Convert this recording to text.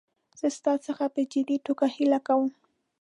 زه ستا څخه په جدي توګه هیله کوم.